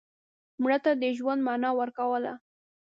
مړه ته د ژوند معنا ورکوله